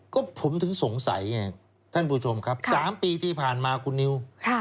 ก็ผมถึงสงสัยไงท่านผู้ชมครับ๓ปีที่ผ่านมาคุณนิว